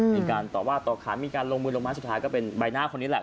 มีการต่อว่าต่อขานมีการลงมือลงไม้สุดท้ายก็เป็นใบหน้าคนนี้แหละ